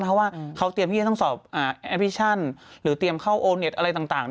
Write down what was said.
เพราะว่าเขาเตรียมให้ทั้งสอบแอพพิชั่นหรือเตรียมเข้าโอนิเตอร์อะไรต่าง